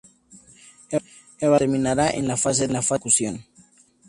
El valor se determinará en la fase de ejecución.